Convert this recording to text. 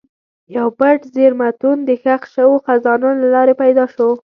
یو پټ زېرمتون د ښخ شوو خزانو له لارې پیدا شو.